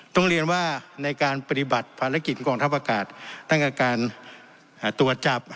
ต้องเรียนว่าในการปฏิบัติภารกิจกองทัพอากาศตั้งแต่การตรวจจับ